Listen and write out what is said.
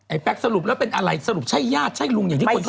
แป๊กสรุปแล้วเป็นอะไรสรุปใช่ญาติใช่ลุงอย่างที่คนคิด